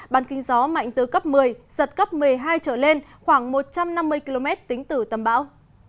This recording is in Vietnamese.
bàn kinh gió mạnh từ cấp một mươi giật cấp một mươi hai trở lên khoảng một trăm năm mươi km tính từ tâm bão